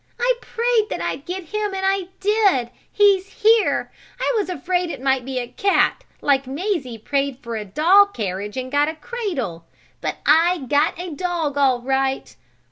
I prayed that I'd get him, and I did! He's here! I was afraid it might be a cat, like Mazie prayed for a doll carriage and got a cradle. But I got a dog all right.